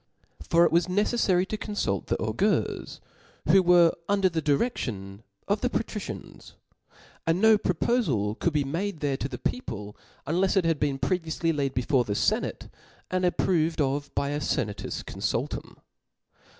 book for it was neceffary to confult the augurs, who^'P W* were under the diredion of the patricians ; and no propofal could be made there to the people^ unlefs it had been previouQy laid before the fenate^ and approved of by a fenatus confultum.